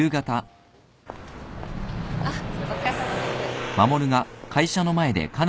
あっお疲れさまです。